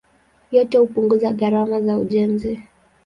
Yote hupunguza gharama za ujenzi.